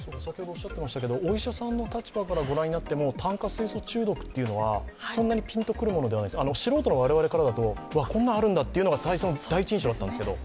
お医者さんの立場からご覧になっても炭化水素中毒というのはそんなにピンとくるものではない、素人の我々からするとこんなのあるんだっていうのが最初の第一印象だったんですけど。